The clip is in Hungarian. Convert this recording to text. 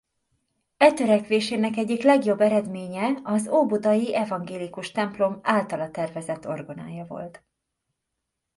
E törekvésének egyik legjobb eredménye az óbudai evangélikus templom általa tervezett orgonája volt.